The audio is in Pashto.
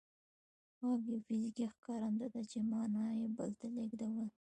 غږ یو فزیکي ښکارنده ده چې معنا بل ته لېږدوي